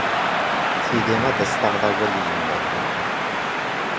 Tili ad as-taɣed awal i yemma-m.